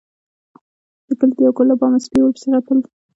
د کلي د يو کور له بامه سپي ورپسې وغپل.